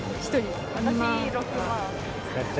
私、６万。